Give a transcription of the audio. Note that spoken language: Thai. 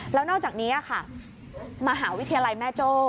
แล้วนอกจากนี้ค่ะมหาวิทยาลัยแม่โจ้